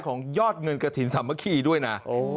ของยอดเงินกระถิ่นธรรมคีด้วยนะ